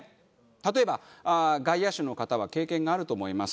例えば外野手の方は経験があると思います。